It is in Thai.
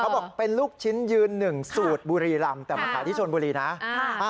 บอกเป็นลูกชิ้นยืนหนึ่งสูตรบุรีรำแต่มาขายที่ชนบุรีนะ